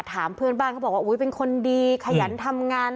ถามเพื่อนบ้านเขาบอกว่าอุ๊ยเป็นคนดีขยันทำงาน